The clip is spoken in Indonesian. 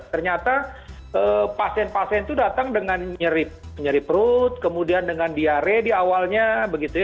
ternyata pasien pasien itu datang dengan nyerip nyeri perut kemudian dengan diare di awalnya begitu ya